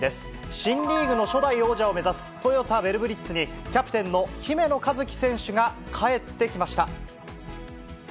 新リーグの初代王者を目指すトヨタヴェルブリッツに、キャプテンの姫野和樹選手が帰ってきました。